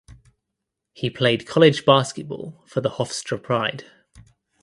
He played college basketball for the Hofstra Pride.